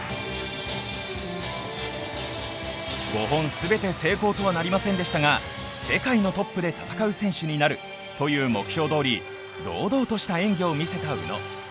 ５本全て成功とはなりませんでしたが、世界のトップで戦う選手になるという目標どおり堂々とした演技を見せた宇野。